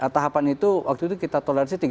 tahapan itu waktu itu kita toleransi